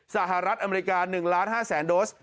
สหรัฐอเมริกา๑๕๐๐๐โดส